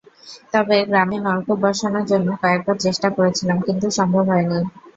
তবে গ্রামে নলকূপ বসানোর জন্য কয়েক বার চেষ্টা করেছিলাম কিন্তু সম্ভব হয়নি।